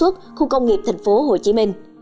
phong nghiệp tp hcm